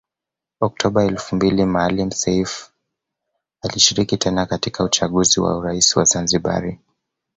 Oktoba elfu mbili Maalim Seif alishiriki tena katika uchaguzi wa urais wa Zanzibari